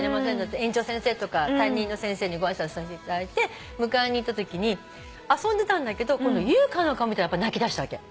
園長先生とか担任の先生にご挨拶させていただいて迎えに行ったときに遊んでたんだけど優香の顔見たら泣きだしたわけ。